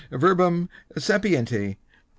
Verbum sapienti, &c.